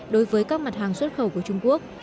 đối với các mặt hàng xuất khẩu của trung quốc